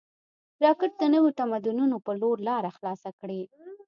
راکټ د نویو تمدنونو په لور لاره خلاصه کړې